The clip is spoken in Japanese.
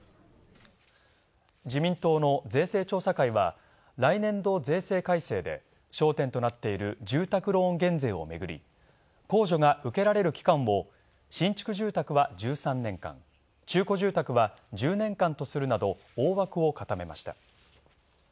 自民党の税制調査会は、来年度税制改正で焦点となっている「住宅ローン減税」をめぐり、控除が受けられる期間を新築住宅は１３年間中古住宅は１０年間とするなど大枠を固めました。